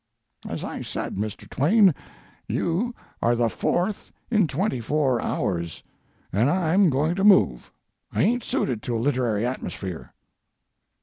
"As I said, Mr. Twain, you are the fourth in twenty four hours—and I'm going to move; I ain't suited to a littery atmosphere."